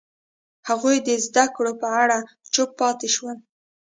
هغوی د زده کړو په اړه چوپ پاتې شول.